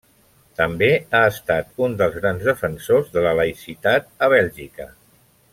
També ha estat un dels grans defensors de la laïcitat a Bèlgica.